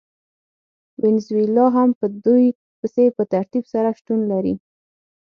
وینزویلا هم په دوی پسې په ترتیب سره شتون لري.